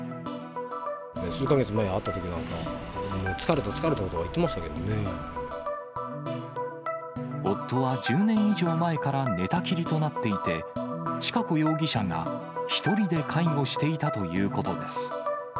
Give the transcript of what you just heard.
数か月前に会ったときには、もう疲れた、夫は１０年以上前から寝たきりとなっていて、千賀子容疑者が１人で介護していたということです。